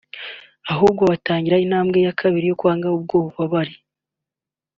ahubwo batangiraga intambwe ya kabiri yo kwanga ubwo bubabare